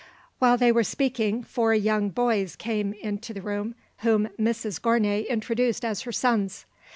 While they were speaking four young boys came into the room, whom Mrs Gournay introduced as her sons.